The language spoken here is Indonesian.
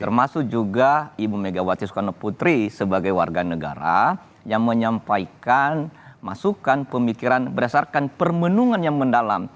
termasuk juga ibu megawati soekarno putri sebagai warga negara yang menyampaikan masukan pemikiran berdasarkan permenungan yang mendalam